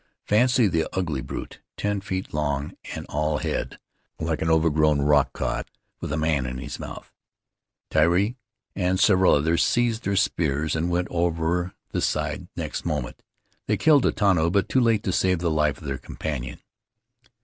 Fancy the ugly brute, ten feet long and all head, like an overgrown rock cod, with a man in his mouth. Tairi and several others seized their spears and were over the side next moment; they killed the tonu, but too late to save the life of their companion.